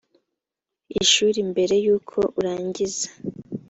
ishuri mbere y uko urangiza